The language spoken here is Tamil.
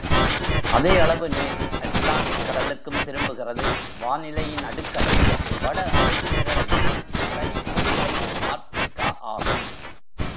அதே அளவு நீர் அட்லாண்டிக் கடலுக்கும் திரும்புகிறது வானிலையின் அடுக்களை வடஅரைத் திரளையின் பனிப்பொதிகை ஆர்க்டிகா ஆகும்.